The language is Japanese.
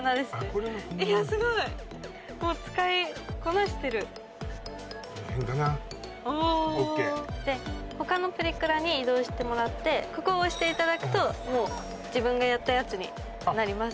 こんなふうにいやすごいもう使いこなしてるこの辺かなおおＯＫで他のプリクラに移動してもらってここを押していただくともう自分がやったやつになります